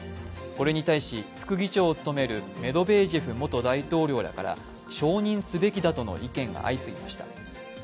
これに対し、副議長を務めるメドベージェフ元大統領らから承認すべきだとの意見が相次ぎました。